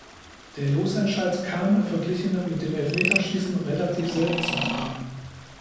Der Losentscheid kam, verglichen mit dem Elfmeterschießen, relativ selten zum Tragen.